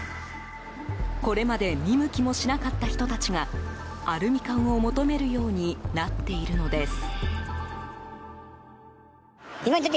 これまで見向きもしなかった人たちがアルミ缶を求めるようになっているのです。